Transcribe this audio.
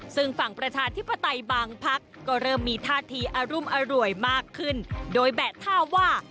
ซึ่งฝั่งประชาธิปไตยบางพักก็เริ่มมีท่าทีอรุมอร่วยมากขึ้นโดยแบะท่าว่า